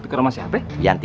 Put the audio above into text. tuker tambah sama wiyanti